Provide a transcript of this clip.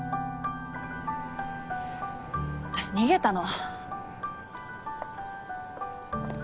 私逃げたの。